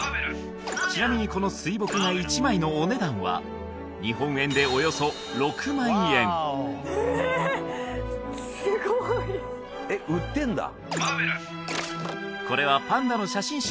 ちなみにこの水墨画１枚のお値段は日本円でおよそ６万円ええすごいえっ売ってんだ